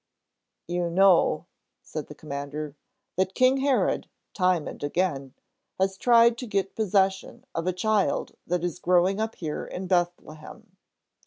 "You know," said the Commander, "that King Herod, time and again, has tried to get possession of a child that is growing up here in Bethlehem.